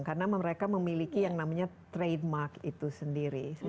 karena mereka memiliki yang namanya trademark itu sendiri